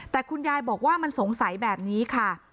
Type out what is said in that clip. แต่คุณยายบอกว่ามันสงสัยแบบนี้ค่ะ